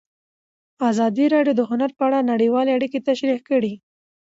ازادي راډیو د هنر په اړه نړیوالې اړیکې تشریح کړي.